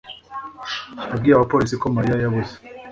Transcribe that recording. yabwiye abapolisi ko Mariya yabuze.